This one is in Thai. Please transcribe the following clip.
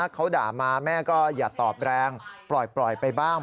เขาด่ามาแม่ก็อย่าตอบแรงปล่อยไปบ้าง